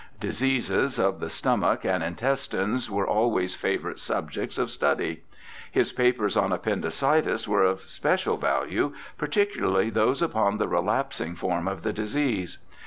Diseases of the stomach and intestines were always favourite subjects of study. His papers on appendicitis were of special value, par ticularly those upon the relapsing form of the disease.